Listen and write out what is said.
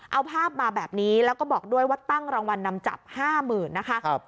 เอาภาพมาแบบนี้แล้วก็บอกด้วยว่าตั้งรางวัลนำจับ๕๐๐๐นะคะ